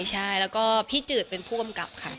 ใช่แล้วก็พี่จืดเป็นผู้กำกับค่ะ